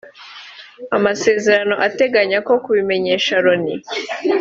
amasezerano ateganya ko kubimenyesha Loni